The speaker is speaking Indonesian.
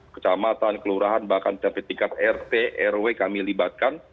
kecamatan kelurahan bahkan cp tiga rt rw kami libatkan